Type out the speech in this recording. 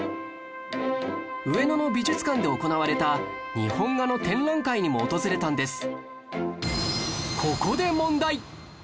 上野の美術館で行われた日本画の展覧会にも訪れたんです